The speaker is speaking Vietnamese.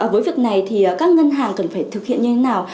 với việc này thì các ngân hàng cần phải thực hiện như thế nào